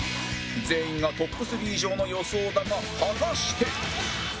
全員がトップ３以上の予想だが果たして？